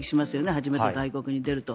初めて、外国に出ると。